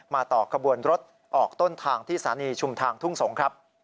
ต่อขบวนรถออกต้นทางที่สถานีชุมทางทุ่งสงครับ